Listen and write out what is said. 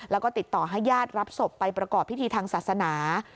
แล้วก็ติดต่อให้ญาติรับศพไปประกอบพิธีทางศาสนา